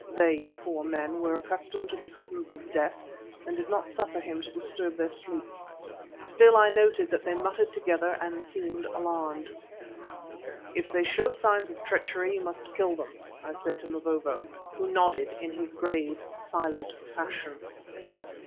They, poor men, were accustomed to the presence of Death and did not suffer him to disturb their sleep. Still I noted that they muttered together and seemed alarmed. "If they show signs of treachery, you must kill them," I said to Mavovo, who nodded in his grave, silent fashion.